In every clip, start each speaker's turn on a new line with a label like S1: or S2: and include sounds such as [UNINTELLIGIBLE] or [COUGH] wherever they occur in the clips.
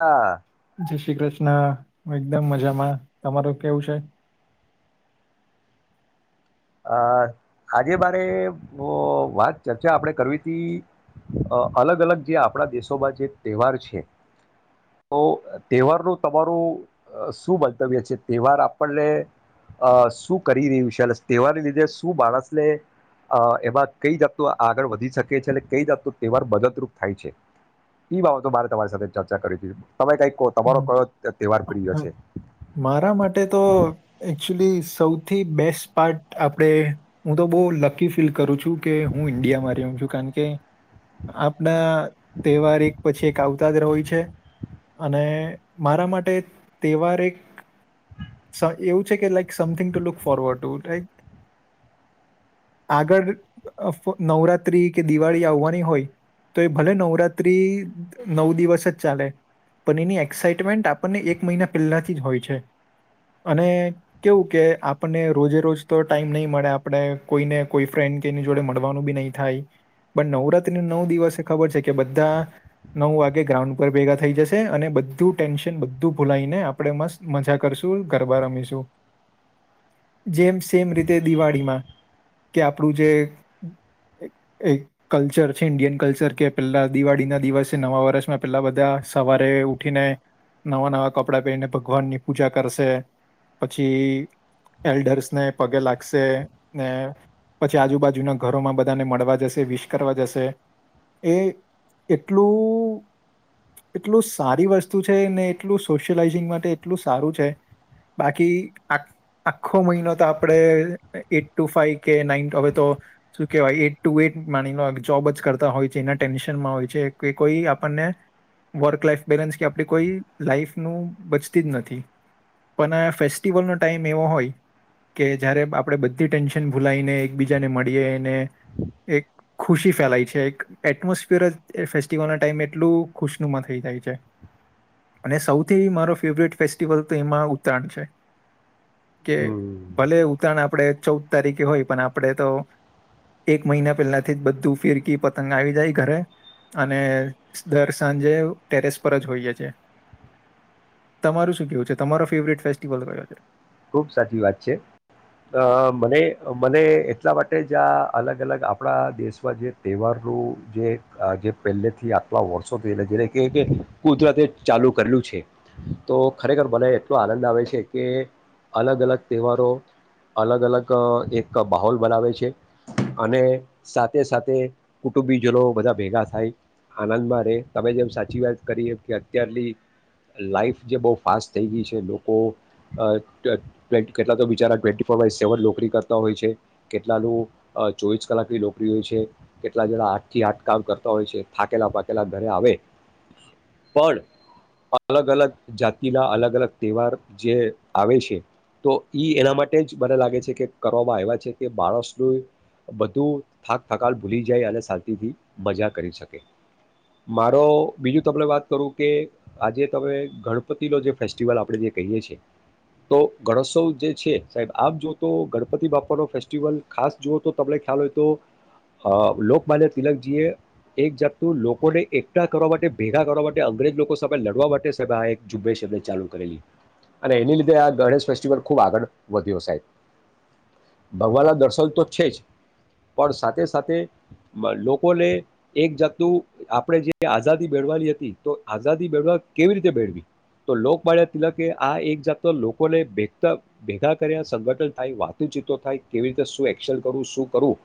S1: હા.
S2: જય શ્રી કૃષ્ણ, એકદમ મજામાં તમારું કેવું છે.
S1: અઅ આજે મારે વાત ચર્ચા આપણે કરવી તી અ અલગ અલગ જે આપણા દેશોમાં જે તહેવાર છે તો તહેવારનું તમારું શું મંતવ્ય છે તહેવાર આપણને અ શું કરી રહ્યું છે અને તહેવારને લીધે શું માણસને અ એમાં કઈ જાતનું આગળ વધી શકે છે અને કઈ જાતનું તહેવાર મદદરૂપ થાય છે એ બાબતો મારે તમારી સાથે ચર્ચા કરી હતી તમે કઈક કહો તમારો
S2: હમ,
S1: કહો
S2: મારા માટે તો એકચુલી સૌ થી બેસ્ટ પાર્ટ આપણેે હું તો બહુ લકી ફીલ કરું છું. તુ કે હું ઇન્ડિયા માં રહ્યો છું કાર કે આપના તહેવાર એક પછી એક આવતા જ રોય છે. અને મારા માટે તહેવાર એક એવું છે કે like something to look forward to આગળ નવરાત્રી કે દિવાળી આવવાની હોય તો એ ભલે નવરાત્રી નવ દિવસ જ ચાલે પણ એની એક્સાાઈટમેન્ટ આપણને એક એક મહિના પહેલાથી જ હોય છે અને કેવું કે આપણને રોજે રોજ તો ટાઈમ નહીં મળે આપણે કોઈને કોઈ ફ્રેન્ડ કેની જોડે મળવાનું બી નહીં થાય પણ નવરાત્રી નવ દિવસ ખબર છે કે બધા નવ વાગે ગ્રાઉન્ડ ઉપર ભેગા થઈ જશે અને બધું ટેન્શન બધું ભૂલાઈને આપણે મસ્ત મજા કરશું ગરબા રમીશું જેમ સેમ રીતે દિવાળીમાં કે આપણું જે એક કલ્ચર છે ઇન્ડિયન કલ્ચર કે પેલા દિવાળીના દિવસે નવા વર્ષમાં પેલા બધા સવારે ઉઠીને નવા-નવા કપડા પહેને ભગવાનની પૂજા કરશે પછી એલ્ડર્સને પગે લાગશે ને પછી આજુબાજુના ઘરોમાં બધાને મળવા જશે વિશ કરવા જશે એટલું એટલું સારી વસ્તુ છે ને એટલું સોશયલાઈઝિંગ માટે એટલું સારું છે. બાકી, આ, આખો મઈનો તો આપણે એટ ટુ ફાઈ કે નાઈન હવે તો શું કહેવાય એટ ટુ એટ, માની લો, જોબ જ કરતા હોય છે, એના ટેન્શનમાં હોય છે, કે કોઈ આપણને વર્ક લાઈફ બેલેન્સ કે આપણી કોઈ લાઈફ નું બચતી જ નથી. પણ આ ફેસ્ટિવલનો ટાઈમ એવો હોય કે, જયારે આપણે બધી ટેન્શન ભૂલાઈને, એકબીજાને મળીએ, ને એક ખુશી ફેલાય છે. એક એટમોસ્ફિયર ફેસ્ટિવલના ટાઈમ એટલુ ખુશનુમાં થઈ જાય છે. અને સૌ મારો ફેવરેટ ફેસ્ટિવલ તો એમાં, ઉતરાણ છે.
S1: હમ.
S2: ઉતાણ આપણે ચૌદ તારીખે હોય, પણ આપણે તો એક મહિના પહેલાથી બધું, ફિરકી, પતંગ આવી જાય ઘરે, અને દર સાંજે ટેરેસ પર જ હોઈએ છે. તમારું શું કેવું છે, તમારો ફેવરેટ ફેસ્ટિવલ કયો છે?
S1: ખુબ સાચી વાત છે અ મને મને એટલા માટે જ આ અલગ-અલગ આપણા દેશમાં જે તહેવારો જે અ પહેલેથી આટલા વર્ષો થયેલા જેને કેય કે કુદરતે ચાલુ કરેલું છે તો ખરેખર મને એટલો આનંદ આવે છે કે અલગ-અલગ તહેવારો, અલગ-અલગ અ એક માહોલ બનાવે છે. અને સાથે સાથે, કુટુંબીજનો બધા ભેગા થાય, આનંદમાં રહે. તમે જેમ સાચી વાત કરી એમ કે, અત્યારની લાાઈફ, જે બહુ ફાસ્ટ થઈ ગઈ છે, લોકો અ કેટ કેટલા તો બિચારા ટ્વેન્ટી ફોર બાય સેવન નોકરી કરતા હોય છે, કેટલાનું અ, ચોવીસ કલાકની નોકરી હોય છે, કેટલા જણા આઠથી આઠ કામ કરતા હોય છે, થાકેલા પાાકેલા ઘરે આવે. પણ, અલગ-અલગ જાતિના અલગ-અલગ તહેવાર જે આવે છ એ તો ઈ એના માટે જ મને લાગે છે કે કરવામાં આયવા છે કે માણસનું બધું થાક થકાન ભૂલી જાય અને શાંતિથી મજા કરી શકે મારો બીજું તમને વાત કરું કે આજે તમે ગણપતિનો જે ફેસ્ટિવલ આપણે જે કહીએ છીએ તો ગણોત્સવ જે છે સાહેબ આમ જો તો ગણપતિ બાપાનો ફેસ્ટિવલ ખાસ જો તો તમને ખ્યાલ હોય તો અ લોકમાન્ય તિલકજીએ એક જાતનું લોકોને એકઠા કરવા માટે ભેગા કરવા માટે અંગ્રેજ લોકો સામે લડવા માટે સાહેબ આ એક ઝુંબેશ એ ચાલુ કરેલી અને એની લી ધે આ ગણેશ ફેસ્ટિવલ ખુબ આગળ વધ્યો, સાહેબ. ભગવાનના દર્શન તો છે જ, પડ સાથે સાથે, મન લોકોને એક જાતનું આપણે જે આઝાદી મેળવાની હતી, તો આઝાદી મેળવા કેવી રીતે મેળવી? તો લોક માન્ય તિલકે આ એક જાત તો લોકો ભેગતા, ભેગા કર્યા, સંગઠન થાય, વાતોચિતો થાય, કેવી રીતે શું એક્શન, કરવું શું કરવુ?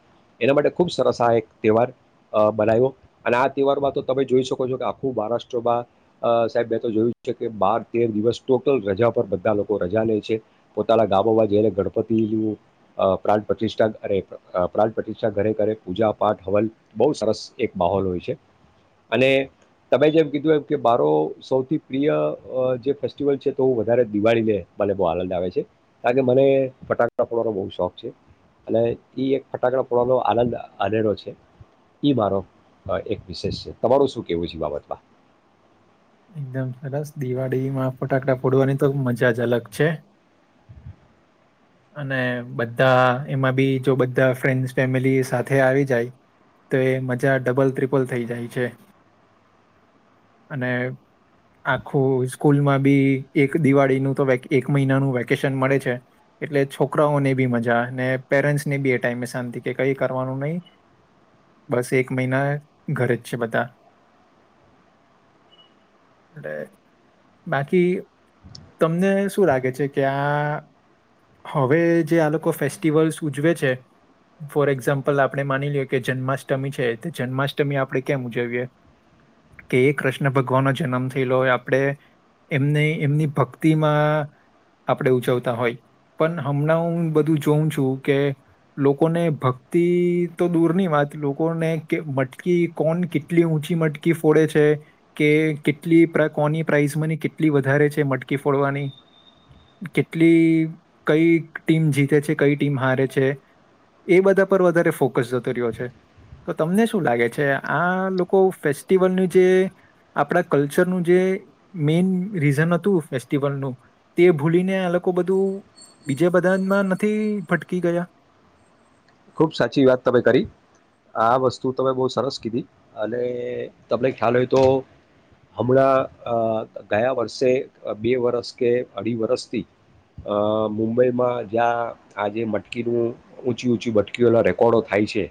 S1: એના માટે ખુબ સરસ આ એક તહેવાર, અ, બનાયવો અને આ તહેવારમાં તો તમે જોઈ શકો છો કે આખું મહારાષ્ટ્રમાં, અ, સાહેબ મેં તો જોયું છે કે બાર તેર દિવસ ટોટલ રજા [UNINTELLIGIBLE] બધા લોકો રજા લેછે, પોતાના ગામોમાં જઈને ગણપતિ નું અ પ્રાણ પ્રતિષ્ઠા કરે, અ, પ્રાણ પ્રતિષ્ઠા ઘરે કરે, પૂજાપાઠ હવન, બહુ સરસ એક માહોલ હોય છે. અને તમે જેમ કીધું એમ, કે મારો સૌથી પ્રિય, અ, જે ફેસ્ટિવલ છે તો વધારે દિવાળીને મને બહુ આનંદ આવે છે, કારણ કે મને ફટાકડા ફોડવાનો બહુ શોખ છે. અને ઈ એક ફટાકડા ફડવાનો આનંદ આનેરો છે, ઈ મારો અ એક વિશેષ છે. તમારું સુ કેવું છે ઈ બાબતમાં?
S2: એકદમ સરસ, દિવાળીમાં ફટાકડા ફોડવાની તો મજા જ અલગ છે! અને બધા એમાં બી જો બધા ફ્રેન્ડસ ફેમિલી સાથે આવી જાય, તો એ મજા ડબલ ત્રિપલ થઈ જાય છે. અને આખું, સ્કૂલમાં બી એક દિવાળીનું તો એક મહિનાનું વેકેશન મળે છે. એટલે છોકરાઓને બી મજા, ને પેરેન્સને બી એ ટાઈમે શાંતિ, કે કઈ કરવાનું નહિં, બસ એક મહિના ઘરે જ છે બધા. બાકી, તમને શું લાગે છે કે આ હવે જે આ લોકો ફેસ્ટિવલ્સ ઉજવે છે, ફોર એક્ઝામ્પલ, આપણે માની લઈએ કે જન્માષ્ટમી છે. તે જન્માષ્ટમી આપણે કેમ ઉજવીએ કે, એ કૃષ્ણ ભગવાનનો જનમ થયેલો હોય. આપણે એમને, એમની ભક્તિમાં આપણે, ઉજવતા હોય. પણ હમણાં હું બધું જોઉં છું કે લોકોને ભક્તિ તો દૂરની વાત લોકોને કે મટકી કોન કેટલી ઊંચી મટકી ફોડે છે કે કેટલી પ્ર કોની પ્રાઇસમાંની કેટલી વધારે છે મટકી ફોડવાની કેટલી કઈ ટીમ જીતે છે કઈ ટીમ હારે છે એ બધા પર વધારે ફોકસ જતો રિયો છે. તો તમને શું લાગે છે આ લોકો ફેસ્ટિવલનું જે આપણા કલ્ચરનું જે મેન રીઝન હતું ફેસ્ટિવલનું તે ભૂલીને આ લોકો બધું બીજે બધાનમાં નથી ભટકી ગયા?
S1: ખુબ સાચી વાત તમે કરી આ વસ્તુ તમે બહુ સરસ કીધી અને તમને ખ્યાલ હોય તો હમણાં અ ગયા વર્ષે બે વરસ કે અઢી વરસથી અ મુંબઈમાં જ્યાં આજે મટકીનું ઊંચી ઊંચી બટ કીઓના રેકોર્ડો થાય છે,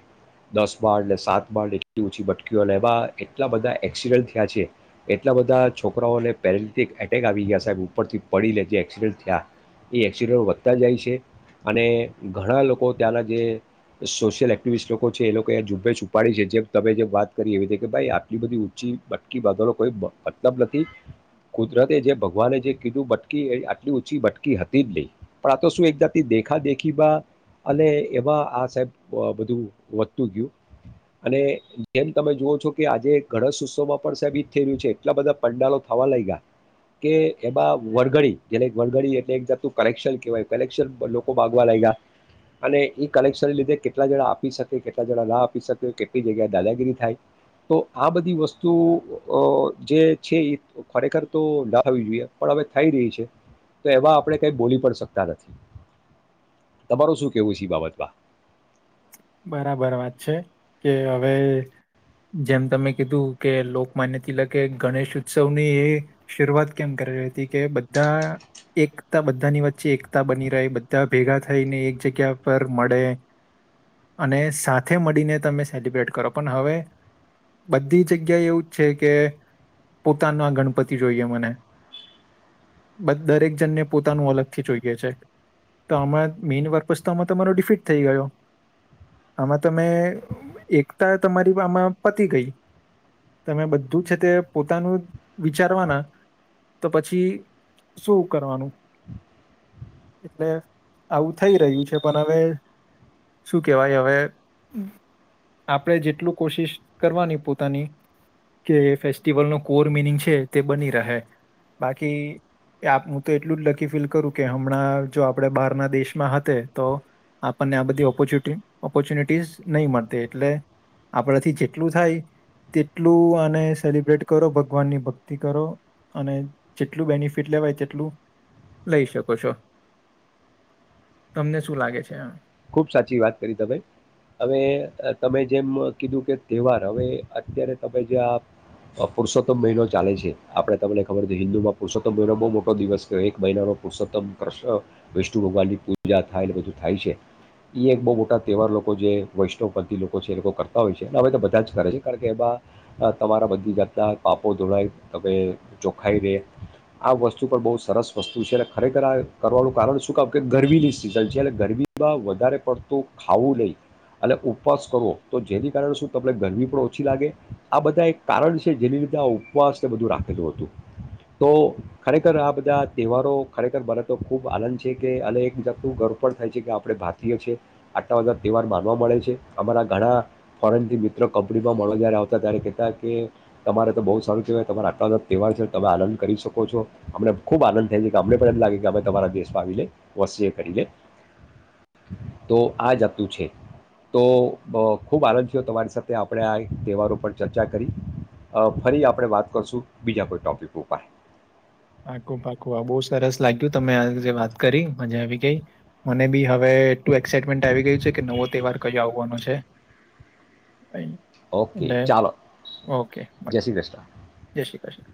S1: દસ માળને, સાત માળને એટલી ઊંચી બટકીઓ લેવા, એટલા બધા એક્સિડન્ટ થયા છે. એટલા બધા છોકરાઓને પેરેન્ટિક એટેક આવી ગયા, સાહેબ, ઉપરથી પડીને જે એક્સિડન્ટ થયા, એ એક્સિડન્ટ વધતા જાય છે અને ઘણા લોકો ત્યાંના જે સોશિયલ એક્ટિવિસ્ટ લોકો છે, એ લોકો આ ઝૂબેશ ઉપાડી છે, જેમ તમે જે વાત કરી, એવી રીતે કે, ભાઈ, આટલી બધી ઊંચી બટકી બાંધવાનો કોઈ મતલબ નથી, કુદરતે, જે ભગવાને, જે કીધું બટકી, એ આટલી ઊંચી બટકી હતી જ નહી. પણ, આ તો શું એક જાતની દેખા દેખીમાં અને એમાં આ સાહેબ બ બધું વધતું ગયું અને જેમ તમે જુવો છો કે આજે ગણેશ ઉત્સવમાં પણ સાહેબ એ જ થઈ રહ્યું છે એટલા બધા પંડાલો થવા લાયગા કે એમાં વરઘડી જેને વરઘડી એટલે એક જાતું કલેક્શન કહેવાય કલેક્શન લોકો પણ માગવા લાગ ગયા અને ઈ કલેક્શન લીધે કેટલા જણા આપી શકે, કેટલા જણા ના આપી શકે, કેટલી જગ્યાએ દાદાગીરી થાય, તો આ બધી વસ્તુ અ જે છે એ ખરેખર તો ના થવી જોઈએ. પણ હવે થઈ રહી છે, તો એવા આપણે કઈ બોલી પણ શકતા નથી. તમારું શું કેવું છે ઈ બાબત? વાહ!
S2: બરાબર વાત છે કે હવે જેમ તમે કીધું કે લોક માન્ય તિલકે ગણેશ ઉત્સવની એ શરૂઆત કેમ કરી હતી કે બધા એકતા બધાની વચ્ચે એકતા બની રહે બધા ભેગા થઈને એક જગ્યા પર મડે ને સાથે મડીને તમે સેલિબ્રેટ કરો. પન હવે? બધી જગ્યા એવું જ છે કે, પોતાના ગણપતિ જોઈએ મને. બધ દરેક જનને પોતાનું અલગથી જોઈએ છે. ત આમાં મેન પર્પઝ તો આમાં તમારો ડિફીટ થઈ ગયો! આમાં તમે એકતા તમારી આમાં પતી ગઈ તમે બધું છે તે પોતાનું વિચારવાના તો પછી શું કરવાનું એટલે આવું થઈ રહ્યું છે પણ હવે શું કેવાય હવે? આપણેે જેટલું કોશિશ કરવાની પોતાની, કે ફેસ્ટિવલનો કોર મિનિંગ છે, તે બની રહે. બાકી, એ આપણું તો, એટલું જ લકી ફીલ કરું કે હમણાં જો આપણેે બહારના દેશમાં હતે, તો? આપણને આ બધી ઓપ ઓપોચુટી, ઓપોર્ચ્યુનિટીઝ નહીં મળતી, એટલે આપણાથી જેટલું થાય તેટલું આને સેલિબ્રેટ કરો, ભગવાનની ભક્તિ કરો, અને જેટલું બેનિફિટ લેવાય તેટલું લઈ શકો છો. તમને શું લાગે છે?
S1: ખુબ સાચી વાત કરી તમે. હવે, તમે જેમ કીધું કે તહેવાર, હવે અત્યારે, તમે જે આ અ, પુરુષોત્તમ મહિનો ચાલે છે. આપણે, તમને ખબર હોય તો હિન્દુમાં પુરષોત્તમ મહિનો બહુ મોટો દિવસ કે એક મહિનાનો પુરુષોત્તમ, કૃષ્ણ, વિષ્ણુ ભગવાનની પૂજા થાય ને એ બધું થાય છે. ઈ એક બહુ મોટા તહેવાર, લોકો જે વૈષ્ણવ પતી લોકો છે એ લોકો કરતા હોય છે, હવે તો બધા જ કરે છે. કારણ કે, એમાં તમારા બધી જાતના પાપો ધોળાય, તમે, ચોખાઈ રહેે, આ વસ્તુ પણ બહુ સરસ વસ્તુ છે. અને ખરેખર, આ કરવાનું કારણ શું કામ, કે ગરમીની સીઝન છે એટલે ગરમી તા વધારે પડતું ખાવું નઈં અને ઉપવાસ કરવો, તો જેને કારણે શું તમને ગરમી પણ ઓછી લાગે. આ બધા એક કારણ છે, જેની લીધે આ ઉપવાસને બધું રાખેલું હતું. તો ખરેખર, આ બધા તહેવારો, ખરેખર મને તો ખૂબ આનંદ છે, કે અને એક જાતનું ગર્વ પણ થાય છે કે આપણે ભારતીય છે, આટલા બધા તહેવાર માનવા મળે છે. અમારા ઘણા ફોરેનથી મિત્ર કંપનીમાં મળવા જ્યારે આવતા, ત્યારે કેતા કે તમારે તો બહુ સારું કહેવાય તમારા આટલા બધા તહેવાર છે, તમે આનંદ કરી શકો છો. અમને ખૂબ આનંદ થાય છે, કે અમને પણ એમ લાગે કે, અમે તમારા દેશમાં આવી ને વસીએ, કરીએ. તો આ જાતનું છે, તો અ ખુબ આનંદ થયો તમારી સાથે આપણે આ તહેવારો પર ચર્ચા કરી. અ, ફરી આપણે વાત કરશું, બીજા કોઈ ટોપિક ઉપર.
S2: પાકું પાકું આ બહુ સરસ લાગ્યું તમે આ જે વાત કરી મજા આવી ગઈ મને બી હવ વે એટુ એક્સાઇટમેન્ટ આવી ગયું છે કે નવો તહેવાર કયો આવવાનો છે? છે.
S1: ઓકે, ચાલો જય શ્રી ક્રષ્ણ!
S2: શ્રી ક્રષ્ણ!